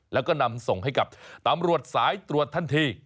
แล้วก็นำส่งให้กับตำรวจสายตรวจทันที